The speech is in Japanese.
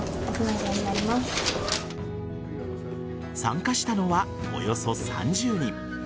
参加したのはおよそ３０人。